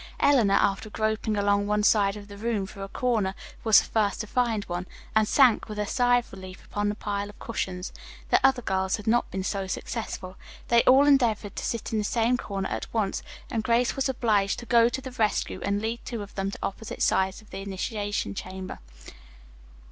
Eleanor, after groping along one side of the room for a corner, was the first to find one, and sank with a sigh of relief upon the pile of cushions. The other girls had not been so successful. They all endeavored to sit in the same corner at once, and Grace was obliged to go to the rescue, and lead two of them to opposite sides of the initiation chamber.